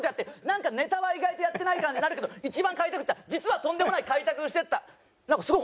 なんかネタは意外とやってない感じになるけど一番開拓した実はとんでもない開拓をしていった。